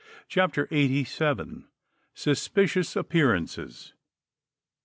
CHAPTER EIGHTY SEVEN. SUSPICIOUS APPEARANCES.